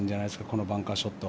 このバンカーショット。